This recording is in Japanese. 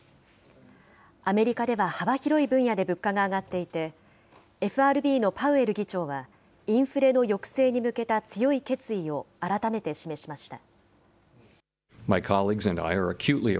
アメリカでは幅広い分野で物価が上がっていて、ＦＲＢのパウエル議長は、インフレの抑制に向けた強い決意を改めて示しました。